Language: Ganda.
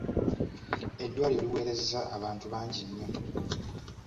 Eddwaliro liweereza abantu bangi nnyo